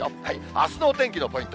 あすのお天気のポイント。